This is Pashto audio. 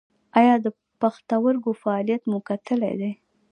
ایا د پښتورګو فعالیت مو کتلی دی؟